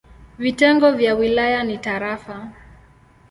Vitengo vya wilaya ni tarafa.